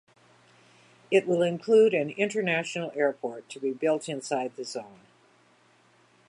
It will include an international airport to be built inside the zone.